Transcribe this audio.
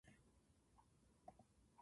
私は低血圧だ